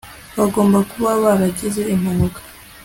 bagomba kuba baragize impanuka